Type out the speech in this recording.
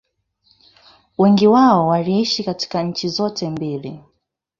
Wengi wao waliishi katika nchi zote mbili